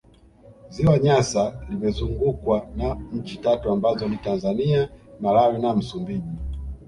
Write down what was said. Ziwa Nyasa limezungukwa na nchi tatu ambazo ni Tanzania Malawi na MsumbIji